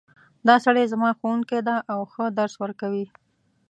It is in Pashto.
دا سړی زما ښوونکی ده او ښه درس ورکوی